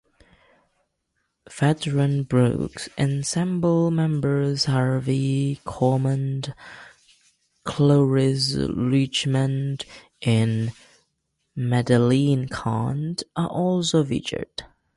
Veteran Brooks ensemble members Harvey Korman, Cloris Leachman, and Madeline Kahn are also featured.